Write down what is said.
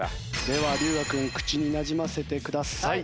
では龍我君口になじませてください。